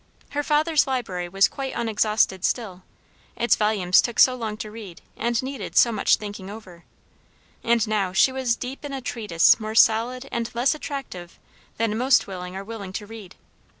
Her father's library was quite unexhausted still, its volumes took so long to read and needed so much thinking over; and now she was deep in a treatise more solid and less attractive than most young women are willing to read.